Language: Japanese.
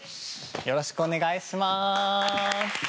よろしくお願いします。